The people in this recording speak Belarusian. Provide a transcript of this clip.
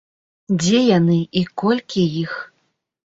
Дзе яны і колькі іх?